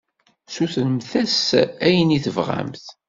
Sutremt-as ayen i tebɣamt.